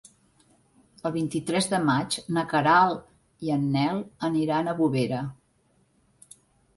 El vint-i-tres de maig na Queralt i en Nel aniran a Bovera.